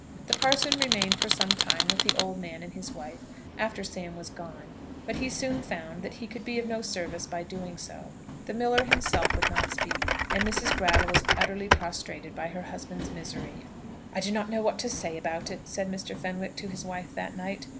The parson remained for some time with the old man and his wife after Sam was gone, but he soon found that he could be of no service by doing so. The miller himself would not speak, and Mrs. Brattle was utterly prostrated by her husband's misery. "I do not know what to say about it," said Mr. Fenwick to his wife that night.